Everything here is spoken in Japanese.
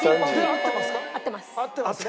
合ってます。